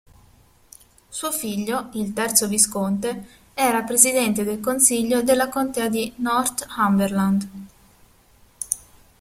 Suo figlio, il terzo visconte, era presidente del consiglio della contea di Northumberland.